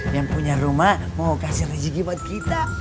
yang punya rumah mau kasih rezeki buat kita